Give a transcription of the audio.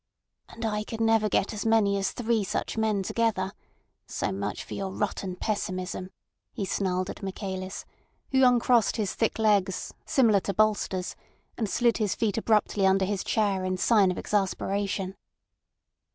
"And I could never get as many as three such men together. So much for your rotten pessimism," he snarled at Michaelis, who uncrossed his thick legs, similar to bolsters, and slid his feet abruptly under his chair in sign of exasperation.